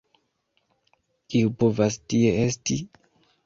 kiu povas tie esti?